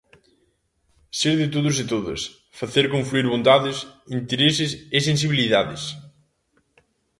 Ser de todos e todas, facer confluír vontades, intereses e sensibilidades.